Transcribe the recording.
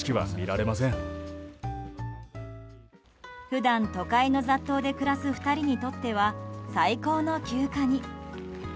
普段、都会の雑踏で暮らす２人にとっては最高の休暇に。